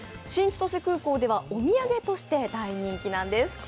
新千歳空港ではお土産として大人気なんです。